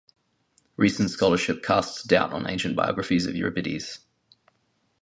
Recent scholarship casts doubt on ancient biographies of Euripides.